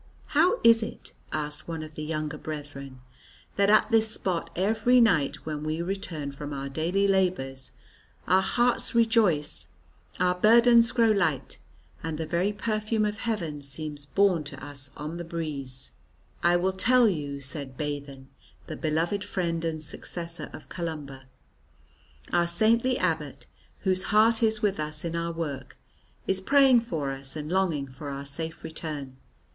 "How is it," asked one of the younger brethren, "that at this spot every night when we return from our daily labours, our hearts rejoice, our burdens grow light, and the very perfume of heaven seems borne to us on the breeze?" "I will tell you," said Baithen, the beloved friend and successor of Columba. "Our saintly abbot, whose heart is with us in our work, is praying for us and longing for our safe return.